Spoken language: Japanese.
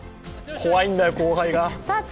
怖いんだよ、後輩が。